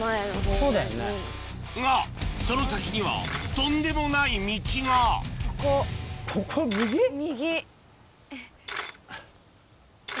がその先にはとんでもない道が右。